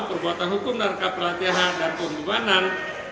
perbuatan hukum dan keperlatian dan pembubanan